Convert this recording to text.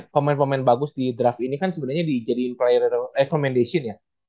pemain pemain bagus di draft ini kan sebenarnya dijadikan play recommendation ya